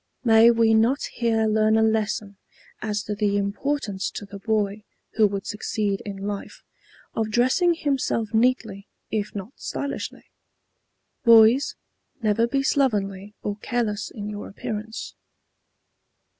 May we not here learn a lesson as to the importance to the boy who would succeed in life, of dressing himself neatly if not stylishly. Boys, never be slovenly or careless in your appearance.